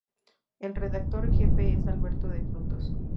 El redactor jefe es Alberto de Frutos.